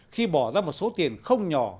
khi bỏ ra một số tiền không nhỏ